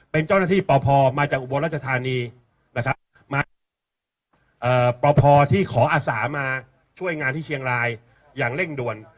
เป็นเจ้าหน้าที่ปพมาจากอุบลรัชธานีนะครับมาปพที่ขออาสามาช่วยงานที่เชียงรายอย่างเร่งด่วน